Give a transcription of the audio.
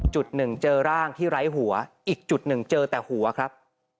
จุดหนึ่งเจอร่างที่ไร้หัวอีกจุดหนึ่งเจอแต่หัวครับ